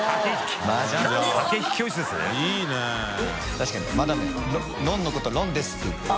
確かにマダムや「ロン」のことロンです♥」って言ってる。